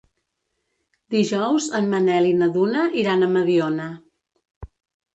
Dijous en Manel i na Duna iran a Mediona.